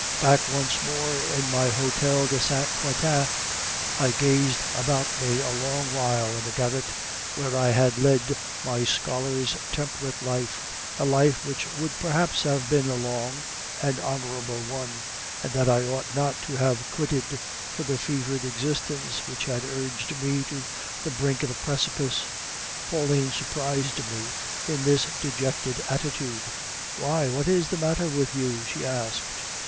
Back once more in my Hotel de Saint Quentin, I gazed about me a long while in the garret where I had led my scholar's temperate life, a life which would perhaps have been a long and honorable one, and that I ought not to have quitted for the fevered existence which had urged me to the brink of a precipice. Pauline surprised me in this dejected attitude. "'Why, what is the matter with you?' she asked.